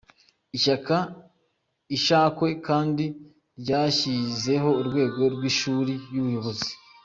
Ishyaka Ishakwe kandi ryashyizeho urwego rw’ishuri ry’ubuyobozi.